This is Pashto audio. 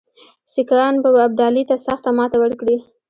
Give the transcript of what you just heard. سیکهان به ابدالي ته سخته ماته ورکړي.